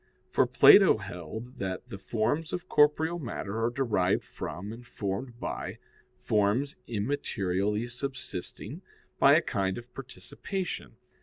For Plato held that the forms of corporeal matter are derived from, and formed by, forms immaterially subsisting, by a kind of participation.